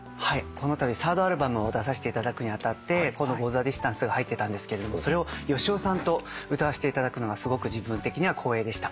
このたびサードアルバムを出させていただくに当たってこの『ＧｏｔｈｅＤｉｓｔａｎｃｅ』が入ってたんですけどそれを芳雄さんと歌わせていただくのはすごく自分的には光栄でした。